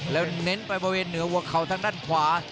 แล้วเน้นไปบริเวณเหนือหัวเข่าทางด้านขวา